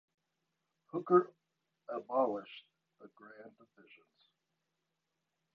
Hooker abolished the grand divisions.